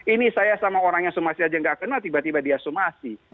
ini saya sama orang yang somasi aja enggak kenal tiba tiba dia somasi